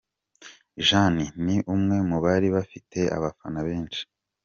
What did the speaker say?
Jane, ni umwe mu bari bafite abafana benshi.